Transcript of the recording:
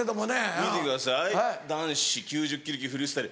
見てください男子９０ｋｇ級フリースタイル。